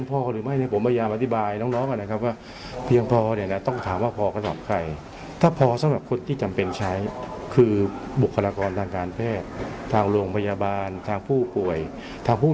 กันลองหานะครับว่าเพียงพอเนี้ยนะต้องถามว่าพอกระทำใครถ้าพอสำหรับคนที่จำเป็นใช้คือบุคลากรทางการเพศทางโรงพยาบาลทางผู้ป่วยทางผู้